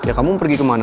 ya kamu mau pergi kemana